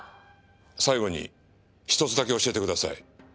最後にひとつだけ教えてください。